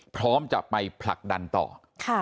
พร้อมจะไปผลักดันต่อ